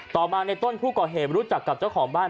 ต่อมาในต้นผู้ก่อเหตุรู้จักกับเจ้าของบ้าน